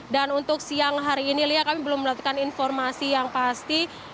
dan untuk siang hari ini lia kami belum melihatkan informasi yang pasti